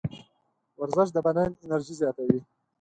ورزش د بدن انرژي زیاتوي.